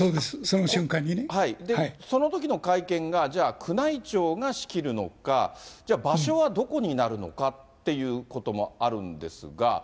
そのときの会見がじゃあ、宮内庁が仕切るのか、じゃあ場所はどこになるのかっていうこともあるんですが。